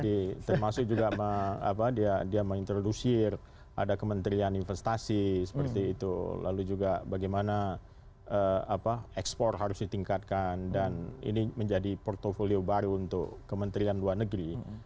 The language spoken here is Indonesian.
jadi termasuk juga dia menginterdusir ada kementerian investasi seperti itu lalu juga bagaimana ekspor harus ditingkatkan dan ini menjadi portfolio baru untuk kementerian luar negeri